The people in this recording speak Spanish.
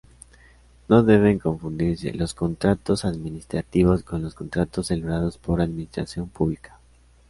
No deben confundirse los contratos administrativos con los contratos celebrados por Administración Pública.